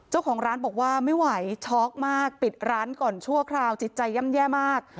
เจ้าของร้านบอกว่าไม่ไหวช็อกมากปิดร้านก่อนชั่วคราวจิตใจย่ำแย่มาก